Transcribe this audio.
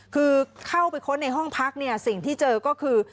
คือเข้าไปค้นในห้องพักเนี่ยสิ่งที่เจอก็คือ